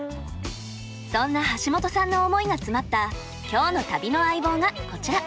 そんな橋本さんの思いが詰まった今日の旅の相棒がこちら。